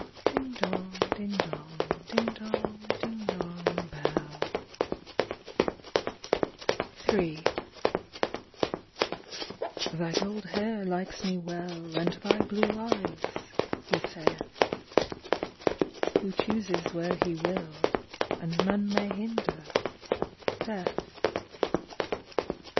Ding dong Ding dong Ding dong ding dong bell 88 Ill "Thy gold hair likes me well And thy blue eyes," he saith, Who chooses where he will And none may hinder Death.